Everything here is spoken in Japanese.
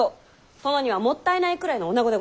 殿にはもったいないくらいのおなごでございますよ！